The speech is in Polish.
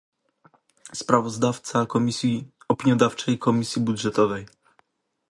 sprawozdawca komisji opiniodawczej Komisji Budżetowej